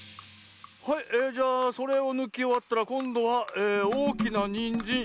「はいえじゃあそれをぬきおわったらこんどはおおきなにんじん。